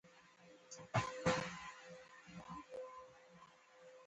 دا ودانۍ د ملي ارشیف لپاره ځانګړې شوه په پښتو ژبه.